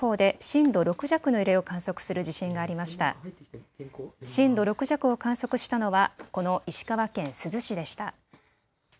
震度６弱を観測したのはこの石川県珠洲市でした。